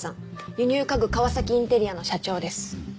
輸入家具川崎インテリアの社長です。